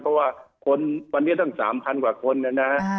เพราะว่าคนวันนี้ตั้ง๓๐๐กว่าคนนะนะ